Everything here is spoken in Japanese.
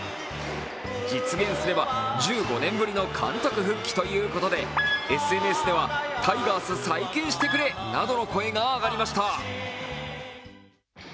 実現すれば１５年ぶりの監督復帰ということでＳＮＳではタイガース再建してくれなどの声が上がりました。